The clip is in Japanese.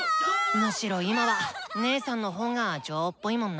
むしろ今は姐さんの方が女王っぽいもんな。